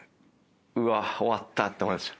うわっ終わったって思いました